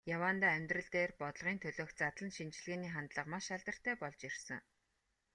Яваандаа амьдрал дээр, бодлогын төлөөх задлан шинжилгээний хандлага маш алдартай болж ирсэн.